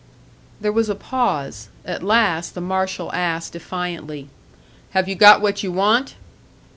There was a pause; at last the marshal asked, defiantly, "Have you got what you want?"